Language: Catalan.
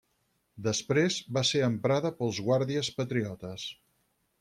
Després va ser emprada pels Guàrdies Patriotes.